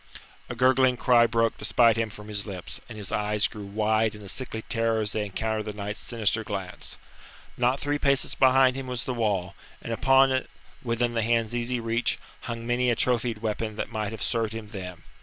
A gurgling cry broke despite him from his lips, and his eyes grew wide in a sickly terror as they encountered the knight's sinister glance. Not three paces behind him was the wall, and on it, within the hand's easy reach, hung many a trophied weapon that might have served him then.